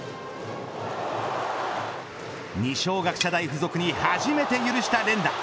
二松学舎大付属に初めて許した連打